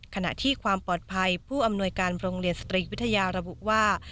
ขณะที่ความปลอดภัยผู้อำนวยการโรงเรียนสตรีวิทยาระบุว่า